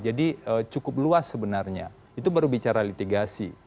cukup luas sebenarnya itu baru bicara litigasi